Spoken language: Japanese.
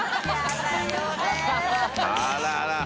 あらあら。